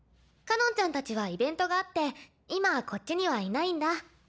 かのんちゃんたちはイベントがあって今こっちにはいないんだ。